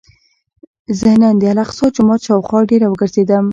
زه نن د الاقصی جومات شاوخوا ډېر وګرځېدم.